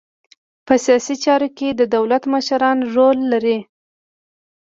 په سیاسي چارو کې د دولت مشران رول لري